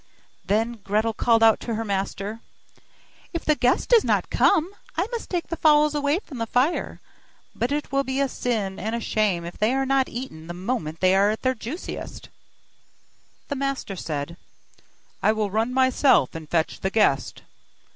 Then Gretel called out to her master: 'If the guest does not come, I must take the fowls away from the fire, but it will be a sin and a shame if they are not eaten the moment they are at their juiciest.' The master said: 'I will run myself, and fetch the guest.